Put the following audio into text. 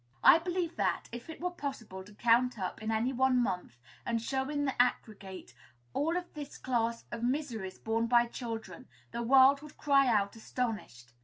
I believe that, if it were possible to count up in any one month, and show in the aggregate, all of this class of miseries borne by children, the world would cry out astonished.